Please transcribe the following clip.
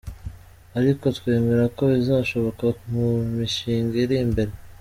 Ariko twemera ko bizakosoka mu mishinga iri imbere.